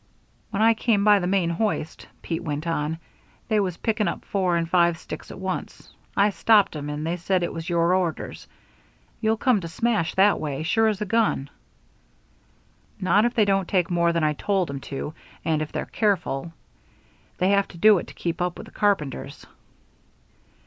"When I came by the main hoist," Pete went on, "they was picking up four and five sticks at once. I stopped 'em, and they said it was your orders. You'll come to smash that way, sure as a gun." "Not if they don't take more than I told 'em to and if they're careful. They have to do it to keep up with the carpenters."